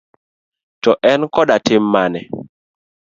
To, en koda tim mane?